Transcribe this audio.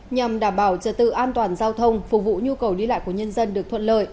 nhằm đảm bảo trợ tự an toàn giao thông phục vụ nhu cầu đi lại của nhân dân được thuận lợi